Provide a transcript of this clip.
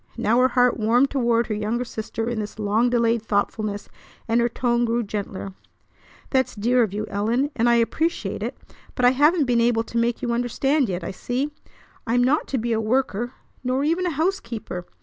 Now her heart warmed toward her younger sister in this long delayed thoughtfulness, and her tone grew gentler. "That's dear of you, Ellen, and I appreciate it; but I haven't been able to make you understand yet, I see. I'm not to be a worker, nor even a housekeeper.